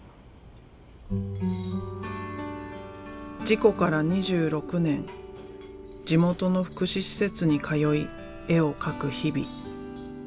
事故から２６年地元の福祉施設に通い絵を描く日々。